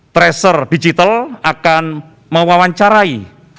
tracer digital akan mewawancarai